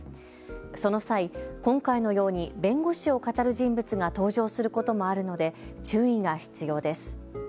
その際、今回のように弁護士をかたる人物が登場することもあるので注意が必要です。